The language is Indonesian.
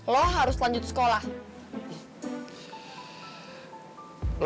lo harus lanjut sekolah